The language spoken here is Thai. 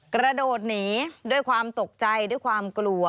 กระโดดหนีด้วยความตกใจด้วยความกลัว